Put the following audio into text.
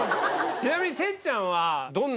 ちなみに哲ちゃんは。